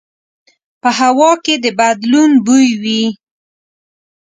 په هوا کې د بدلون بوی وي